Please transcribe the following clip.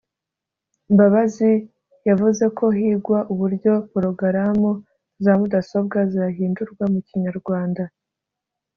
Mbabazi yavuze ko higwa uburyo Porogaramu za mudasobwa zahindurwa mu Kinyarwanda